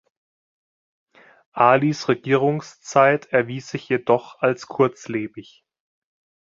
Alis Regierungszeit erwies sich jedoch als kurzlebig.